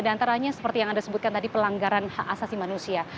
dan antaranya seperti yang anda sebutkan tadi pelanggaran hak asasi manusia